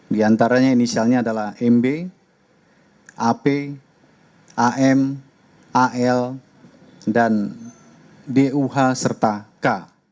di antaranya inisialnya adalah mb ap am al dan duh serta k